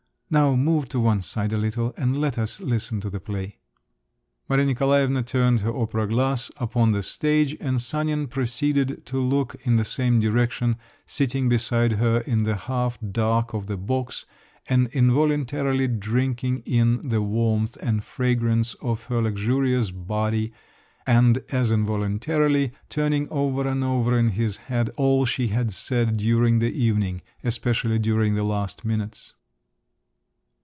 Now move to one side a little, and let us listen to the play." Maria Nikolaevna turned her opera glass upon the stage, and Sanin proceeded to look in the same direction, sitting beside her in the half dark of the box, and involuntarily drinking in the warmth and fragrance of her luxurious body, and as involuntarily turning over and over in his head all she had said during the evening—especially during the last minutes.